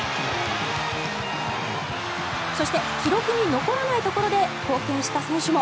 そして記録に残らないところで貢献した選手も。